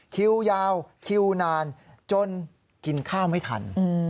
คิวยาวคิวนานจนกินข้าวไม่ทัน